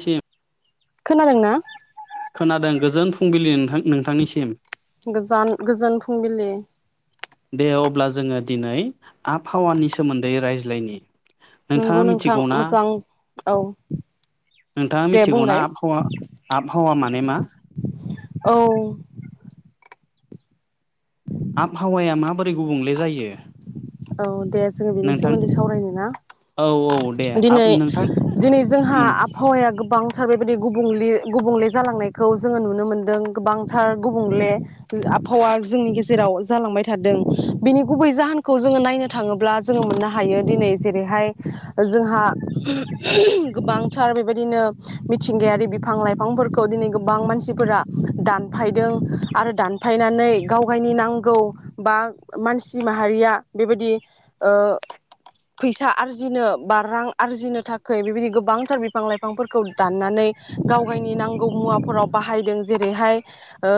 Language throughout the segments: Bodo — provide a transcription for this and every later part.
थिम खोनादोंना? खोनादों गोजोन फुंबिलि नोंथां नोंथांनिसिम गोजान गोजोन फुंबिलि। दे अब्ला जोङो दिनै आबहावानि सोमोन्दै रायज्लायनि। नोंगौ नोंथाङा नोंथां मिथिगौना मोजां। औ। नोंथाङा दे मिथिगौना बुंलाय आबहावा आबहावा माने मा? औ आबहावाया माबोरै गुबुंले जायो? औ दे जोङो बेनि नोंथां सोमोन्दै सावरायनो ना औ औ दे आब दिनै नोंथां दिनै जोंहा उम आबहावाया गोबां थाबाय [unintelligible] गुबुंले गुबुंले जालांनायखौ जोङो नुनो मोनदों गोबांथार गुबुंले आबहावा जोंनि गेजेराव जालांबाय थादों बिनि गुबै जाहोन खौ जोङो नायनो थाङोब्ला जोङो मोननो हायो दिनै जेरैहाय जोंहा गोबांथार बेबायदिनो मिथिंगायारि बिफां लाइफांफोरखौ दिनै गोबां मानसिफोरा दानफायदों आरो दानफायनानै गाव गायनि नांगौ बा मानसि माहारिया बेबायदि ओ फैसा आरजिनो बा रां आरजिनो थाखाय बेबायदि गोबांथार बिफां लाइफांफोरखौ दाननानै गाव गायनि नांगौ मुवाफोराव बाहायदों जेरैहाय ओ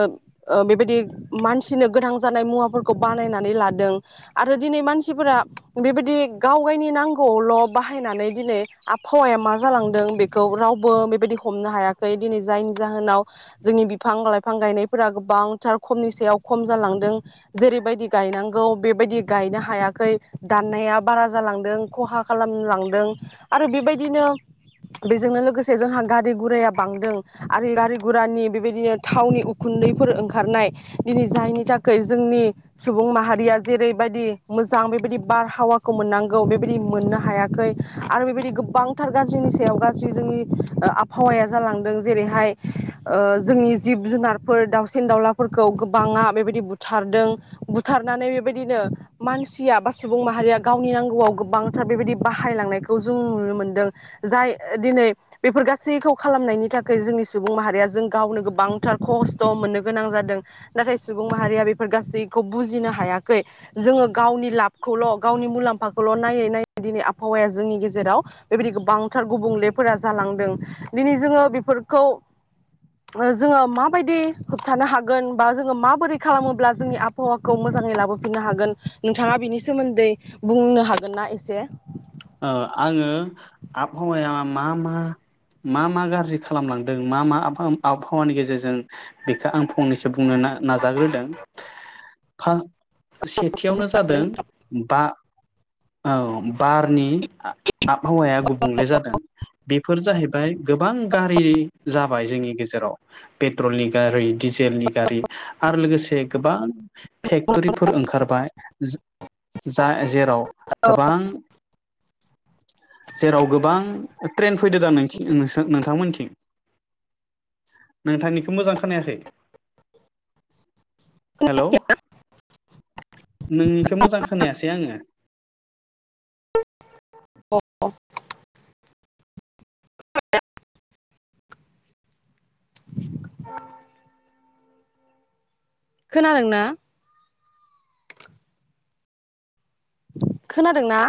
ओ बेबायदि मानसिनो गोनां जानाय मुवाफोरखौ बानायनानै लादों आरो दिनै मानसिफोरा बेबायदि गाव गायनि नांगौआवल बाहायनानै दिनै आबहावाया मा जालांदों बेखौ रावबो बेबायदि हमनो हायाखै दिनै जायनि जाहोनाव जोंनि बिफां लाइफां गायनायफोरा गोबांथार खमनि सायाव खम जालांदों जेरैबायदि गायनांगौ बेबायदि गायनो हायाखै दाननाया बारा जालांदों खहा खालामलांदों आरो बेबायदिनो बेजोंनो लोगोसे जोंहा गारि गुराया बांदों आरो गारि गुरानि बेबायदिनो थावनि उखुन्दैफोर ओंखारनाय दिनै जायनि थाखाय जोंनि सुबुं माहारिया बायदि मोजां बेबायदि बारहावाखौ मोननांगौ बे बिदि मोननो हायाखै आरो बेबायदि गोबांथार गाज्रिनि सायाव गाज्रि जोंनि ओ आबहावा जालांदों जेरैहाय ओ जोंनि जिब जुनारफोर दावसिन दावलाफोरखौ गोबाङा बेबायदि बुथारदों बुथारनानै बेबाय दिनो मानसिया बा सुबुं माहारिया गावनि नांगौआव गोबांथार बेबायदि बाहायलांनायखौ जों नुनो मोनदों जाय दिनै बेफोर गासैखौ खालामनायनि थाखाय जोंनि सुबुं माहारिया जों गावनो गोबांथार खस्थ मोननो गोनां जादों नाथाय सुबुं माहारिया बेफोर गासैखौ बुजिनो हाया गै जोङो गावनि लाबखौल गावनि मुलाम्फा खौल नायै नायै दिनै आबहावाया जोंनि गेजेराव बेबायदि गोबांथार गुबुंलेफोरा जालांदों दिनै जोङो बेफोरखौ ओ जोङो माबायदि होबथानो हागोन बा जोङो माबोरै खालामोब्ला जोंनि आबहावाखौ मोजाङै लाबो फिननो हागोन नोंथाङा बिनि सोमोन्दै बुंनो हागोन ना एसे ओ आङो आबहावाया मा मा मा मा गाज्रि खालामलांदों मा मा आब आबहावानि गेजेरजों बेखौ आं फंनैसो बुंनो ना नाजाग्रोदों। सेथियावनो जादों बा औ बार नि आ-आबहावाया गुबुंले जादों बेफोर जाहैबाय गोबां गारि जाबाय जोंनि गेजेराव पेट्रलनि गारि डिजेलनि गारि आरो लोगोसे गोबां फेक्टरिफोर ओंखारबाय। जा जेराव गोबां जेराव गोबां ट्रेन फैदोदां न [unintelligible] नोंथांमोनथिं नोंथांनिखौ मोजां खोनाखै। हेलौ। नोंनिखौ मोजां खोनायासै आङो। [unintelligible] [inaudible] खोनादों ना। खोनादोंना।